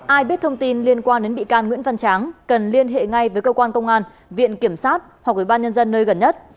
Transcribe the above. ai biết thông tin liên quan đến bị can nguyễn văn tráng cần liên hệ ngay với cơ quan công an viện kiểm sát hoặc ủy ban nhân dân nơi gần nhất